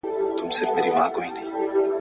که چا پوښتنه درڅخه وکړه ,